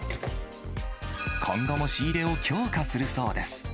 今後も仕入れを強化するそうです。